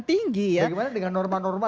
tinggi ya gimana dengan norma norma